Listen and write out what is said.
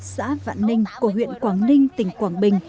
xã vạn ninh của huyện quảng ninh tỉnh quảng bình